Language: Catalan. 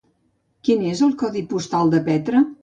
Quin és el codi postal de Petra?